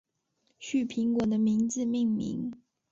旭苹果的名字命名。